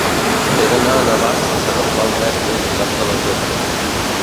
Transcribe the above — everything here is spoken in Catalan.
He d'anar a Navàs sense agafar el metro dissabte a les dotze.